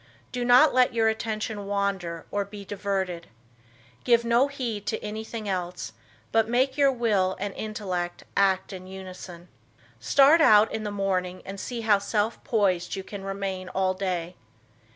Do not let your attention wander or be diverted. Give no heed to anything else, but make your will and intellect act in unison. Start out in the morning and see how self poised you can remain all day.